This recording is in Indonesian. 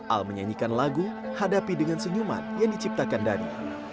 al menyanyikan lagu hadapi dengan senyuman yang diciptakan dhani